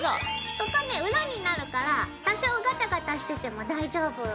ここね裏になるから多少ガタガタしてても大丈夫。